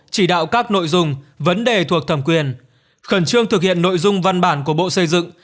chỉ đạo các nội dung vấn đề thuộc thẩm quyền khẩn trương thực hiện nội dung văn bản của bộ xây dựng